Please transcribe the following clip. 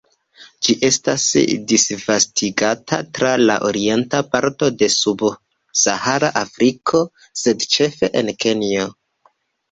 Ĝi estas disvastigata tra la orienta parto de subsahara Afriko, sed ĉefe en Kenjo.